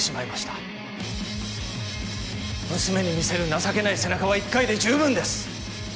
娘に見せる情けない背中は一回で十分です！